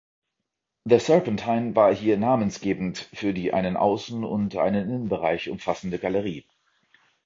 The Serpentine war hier namensgebend für die einen Außen- und einen Innenbereich umfassende Galerie.